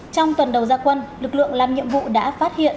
trong tuần đầu gia quân lực lượng làm nhiệm vụ đã phát hiện